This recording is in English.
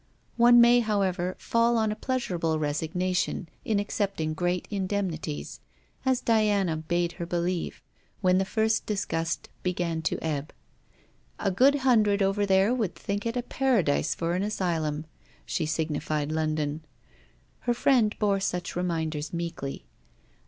One may, however, fall on a pleasurable resignation in accepting great indemnities, as Diana bade her believe, when the first disgust began to ebb. 'A good hundred over there would think it a Paradise for an asylum': she signified London. Her friend bore such reminders meekly.